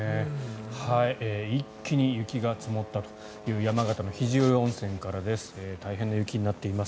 一気に雪が積もったという山形の肘折温泉からです。